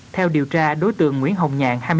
theo điều tra đối tượng nguyễn hồng nhạn